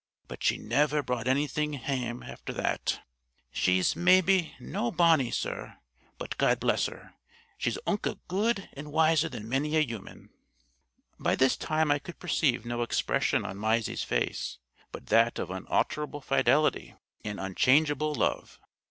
But she never brought onything hame after that. She's, maybe, no bonnie, sir; but, God bless her, she is unco good and wiser than many a human." By this time I could perceive no expression on Mysie's face but that of unalterable fidelity and unchangeable love.